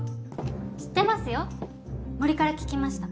知ってますよ森から聞きました。